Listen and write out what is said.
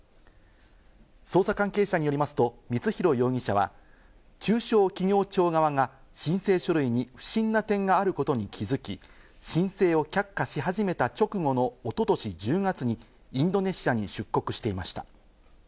捜査関係者によりますと光弘容疑者は、中小企業庁側が申請書類に不審な点があることに気づき、申請を却下し始めた直後の一昨年１０月にインドネシアに出国していました。